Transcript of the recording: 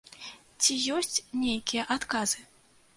Ці ёсць нейкія адказы?